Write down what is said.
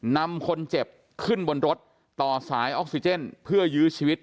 นำคนเจ็บขึ้นบนรถต่อสายออกซิเจนเพื่อยื้อชีวิต